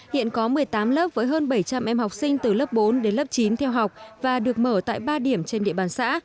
hiện có một mươi tám lớp với hơn bảy trăm linh em học sinh từ lớp bốn đến lớp chín theo học và được mở tại ba điểm trên địa bàn xã